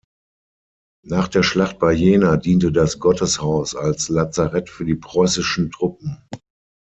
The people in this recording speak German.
Nach der Schlacht bei Jena diente das Gotteshaus als Lazarett für die preußischen Truppen.